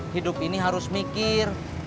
hidup ini harus mikir